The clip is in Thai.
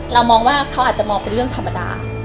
เรามองว่าเขาอาจจะมองเป็นเรื่องธรรมดา